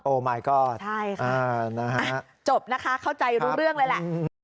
มายก็ใช่ค่ะนะฮะจบนะคะเข้าใจรู้เรื่องเลยแหละ